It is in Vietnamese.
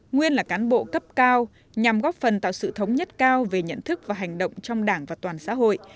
nguyên là cán bộ cấp cao nhằm góp phần tạo sự thống nhất cao về nhận thức và hành động trong đảng và toàn xã hội